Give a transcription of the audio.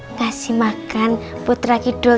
ngasih makan putra kidul